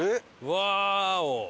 ワーオ！